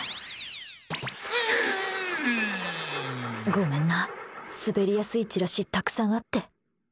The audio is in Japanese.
ごめんな、滑りやすいチラシたくさんあって。